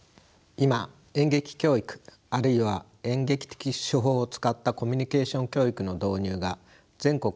今演劇教育あるいは演劇的手法を使ったコミュニケーション教育の導入が全国に広がっています。